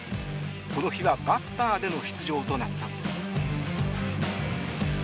この日はバッターでの出場となったのです。